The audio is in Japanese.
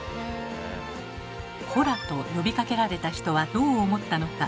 「コラ」と呼びかけられた人はどう思ったのか？